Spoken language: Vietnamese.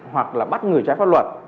hoặc là bắt người trái pháp luật